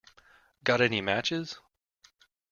Got any matches?